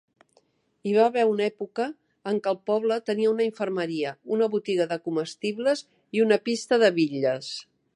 Hi va haver una època en què el poble tenia una infermeria, una botiga de comestibles i una pista de bitlles.